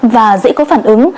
và dễ có phản ứng